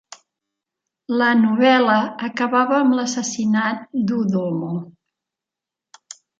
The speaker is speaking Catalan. La novel·la acabava amb l'assassinat d'Udomo.